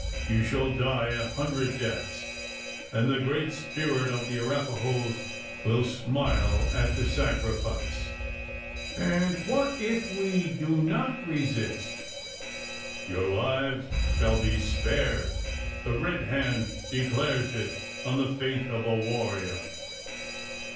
You shall die a hundred deaths; and the Great Spirit of the Arapahoes will smile at the sacrifice!" "And what if we do not resist?" "Your lives shall be spared. The Red Hand declares it on the faith of a warrior."